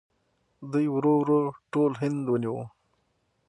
دوی ورو ورو ټول هند ونیو.